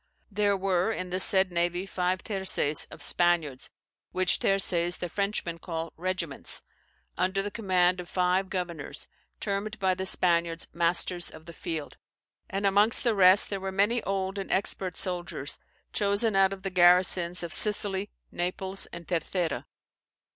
"There were in the said navie five terzaes of Spaniards (which terzaes the Frenchmen call regiments), under the command of five governours, termed by the Spaniards masters of the field, and amongst the rest there were many olde and expert souldiers chosen out of the garisons of Sicilie, Naples, and Tercera.